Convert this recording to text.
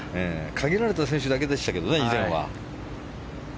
限られた選手だけでしたけど、以前は。